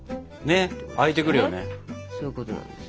ね開いてくるよね。